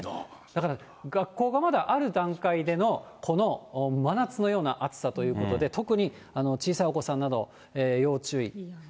だから学校がまだある段階でのこの真夏のような暑さということで、特に小さいお子さんなど、要注意。